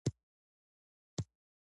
که امن وي نو لابراتوار نه تړل کیږي.